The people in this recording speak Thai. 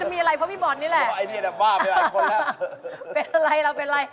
ไม่ห่อเล่า